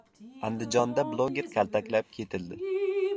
Andijonda bloger kaltaklab ketildi